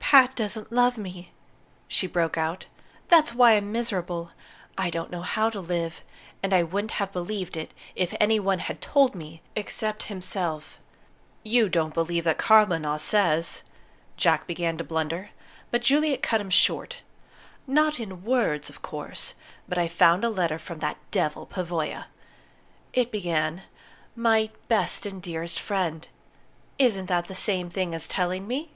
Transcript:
"Pat doesn't love me," she broke out. "That's why I'm miserable. I don't know how to live. And I wouldn't have believed it if any one had told me except himself." "You don't mean that Claremanagh says " Jack began to blunder; but Juliet cut him short. "Not in words, of course. But I found a letter from that devil, Pavoya. It began, 'My Best and Dearest Friend'. Isn't that the same thing as telling me?